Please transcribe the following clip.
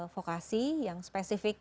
vokasi yang spesifik